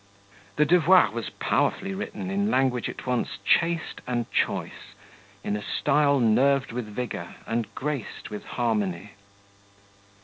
The devoir was powerfully written in language at once chaste and choice, in a style nerved with vigour and graced with harmony.